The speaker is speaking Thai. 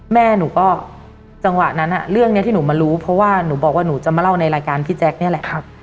แม่หนูก็จังหวะนั้นเรื่องนี้ที่หนูมารู้เพราะว่าหนูบอกว่าหนูจะมาเล่าในรายการพี่แจ๊คนี่แหละ